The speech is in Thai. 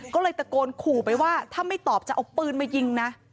ก็เลยตะโกนขู่ไปว่าถ้าไม่ตอบจะเอาปืนมายิงนะ